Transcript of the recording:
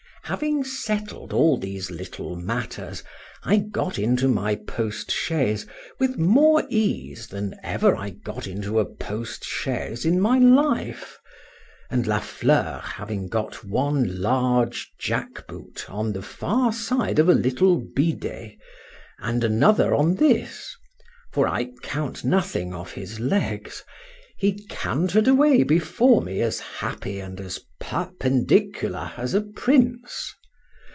HAVING settled all these little matters, I got into my post chaise with more ease than ever I got into a post chaise in my life; and La Fleur having got one large jack boot on the far side of a little bidet, and another on this (for I count nothing of his legs)—he canter'd away before me as happy and as perpendicular as a prince.